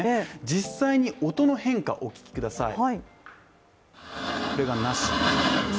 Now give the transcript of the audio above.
実際に音の変化、お聞きください。